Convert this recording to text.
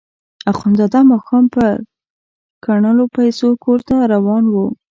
اخندزاده ماښام په ګڼلو پیسو کور ته روان وو.